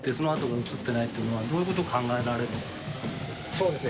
そうですね。